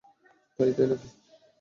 তাই তাই নাকি?